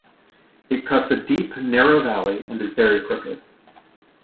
It cuts a deep, narrow valley and is very crooked.